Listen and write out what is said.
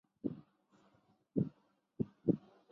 字体可以从韩国铁道公社网站及互联网上免费下载。